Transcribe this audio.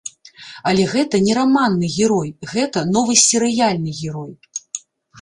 Але гэта не раманны герой, гэта новы серыяльны герой.